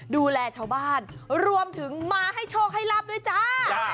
ดูแลชาวบ้านรวมถึงมาให้โชคให้ลาบด้วยจ้า